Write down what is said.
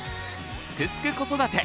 「すくすく子育て」